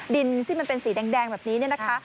ดินที่มันเป็นสีแดงแบบนี้นะคะ